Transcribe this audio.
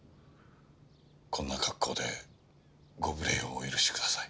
こんな格好でご無礼をお許し下さい。